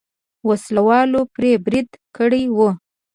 وسله والو پرې برید کړی و.